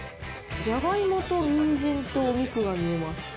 じゃがいもとにんじんとお肉が見えます。